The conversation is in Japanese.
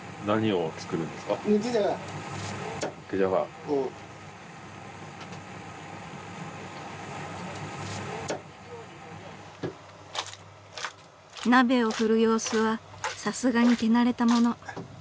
［鍋を振る様子はさすがに手慣れたもの］